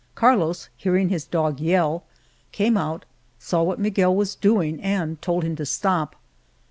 Carlos, hearing his dog yell, came out, saw what Miguel was doing and told him to stop.